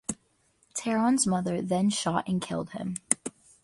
Theron's mother then shot and killed him.